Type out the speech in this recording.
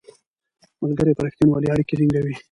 ملګري په رښتینولۍ اړیکې ټینګوي